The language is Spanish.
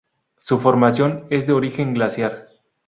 Su formación es de origen glaciar.